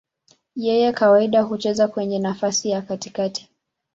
Yeye kawaida hucheza kwenye nafasi ya katikati.